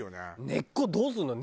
根っこどうすんの？